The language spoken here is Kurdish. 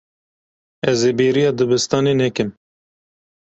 Ez ê bêriya dibistanê nekim.